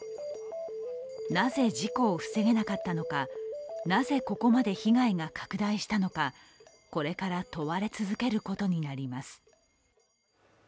なぜ事故を防げなかったのか、なぜここまで被害が拡大したのか、これから問われ続けることになります。